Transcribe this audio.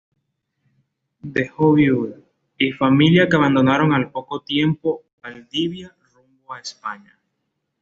Dejó viuda y familia que abandonaron al poco tiempo Valdivia rumbo a España.